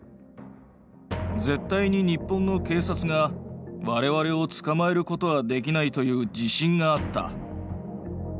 絶対に日本の警察がわれわれを捕まえることはできないという自信があった。